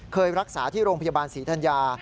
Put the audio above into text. เคยรักษาที่โรงพยาบาลศรีธัญญา